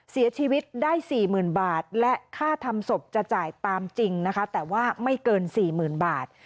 เสียชีวิตได้๔๐๐๐บาทและค่าทำศพจะจ่ายตามจริงนะคะแต่ว่าไม่เกิน๔๐๐๐บาท